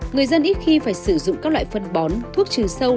người dân ít khi phải sử dụng các loại phân bón thuốc trừ sâu